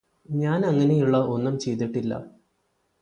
ഞാന് അങ്ങനെയുള്ള ഒന്നും ചെയ്തിട്ടില്ലാ